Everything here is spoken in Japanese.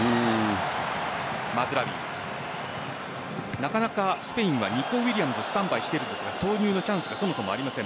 なかなかスペインはニコ・ウィリアムズがスタンバイしているんですが投入のチャンスがありません。